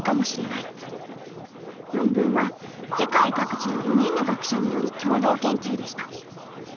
論文は世界各地の４人の学者による共同研究でした。